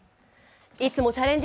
いつもチャレンジ